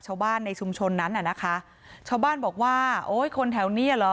ชาวบ้านในชุมชนนั้นน่ะนะคะชาวบ้านบอกว่าโอ้ยคนแถวเนี้ยเหรอ